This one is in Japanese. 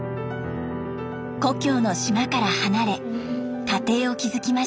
故郷の島から離れ家庭を築きました。